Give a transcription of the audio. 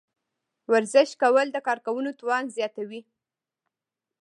ورزش کول د کار کولو توان زیاتوي.